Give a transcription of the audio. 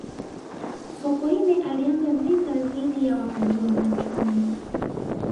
sokoine alianza vita dhidi ya wahujumu uchumi